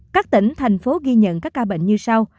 các tỉnh thành phố ghi nhận các ca bệnh như sau